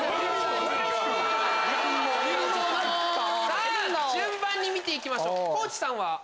さぁ順番に見て行きましょう地さんは？